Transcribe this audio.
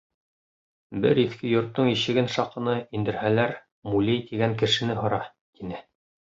Бер иҫке йорттоң ишеген шаҡыны, индерһәләр, Мулей тигән кешене һора, тине.